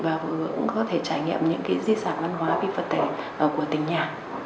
và cũng có thể trải nghiệm những di sản văn hóa phi vật thể của tỉnh nhà